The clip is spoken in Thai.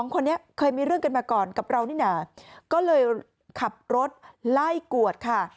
คนนี้เคยมีเรื่องกันมาก่อนกับเรานี่น่ะก็เลยขับรถไล่กวดค่ะ